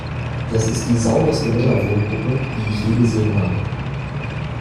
Das ist die sauberste Männer-Wohngruppe, die ich je gesehen habe!